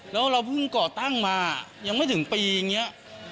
แล้วเราเพิ่งก่อตั้งมายังไม่ถึงปีอย่างนี้